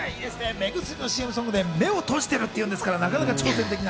目薬のＣＭソングで、目を閉じてるっていうんですから、なかなか挑戦的な。